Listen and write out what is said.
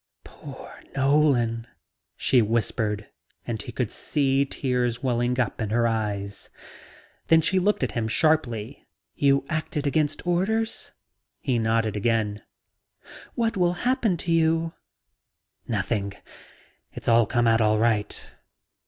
"Poor Nolan," she whispered and he could see the tears welling in her eyes. Then she looked at him sharply. "You acted against orders?" He nodded again. "What will happen to you?" "Nothing. It'll all come out all right.